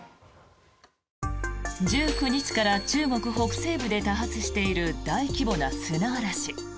１９日から中国北西部で多発している大規模な砂嵐。